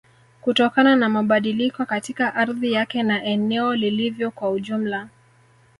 Kutokana na mabadiliko katika ardhi yake na eneo lilivyo kwa ujumla